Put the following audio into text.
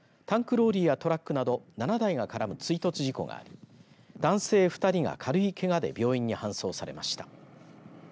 タンクローリーやトラックなど７台が絡む追突事故があり男性２人が軽いけがで病院に搬送されました。